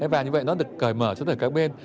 và như vậy nó được cởi mở xuống từ các bên